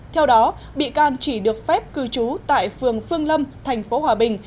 theo đó bị can chỉ được phép cư trú tại phường phương lâm thành phố hòa bình